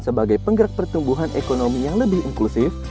sebagai penggerak pertumbuhan ekonomi yang lebih inklusif